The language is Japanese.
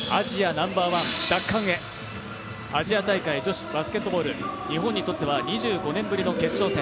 ナンバーワン奪還へ、アジア大会女子バスケットボール、日本にとっては２５年ぶりの決勝戦。